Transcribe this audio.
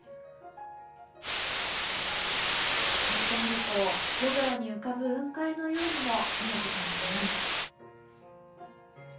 こうして見ると夜空に浮かぶ雲海のようにも見えてきますね。